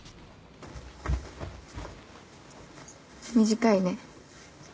短いね。